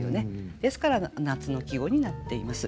ですから夏の季語になっています。